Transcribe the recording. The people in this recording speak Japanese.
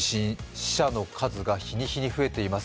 死者の数が日に日に増えています。